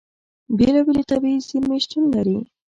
بېلابېلې طبیعي زیرمې شتون لري.